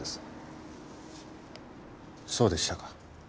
そうでしたか。